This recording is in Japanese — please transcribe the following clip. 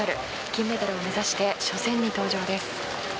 金メダルを目指して初戦に登場です。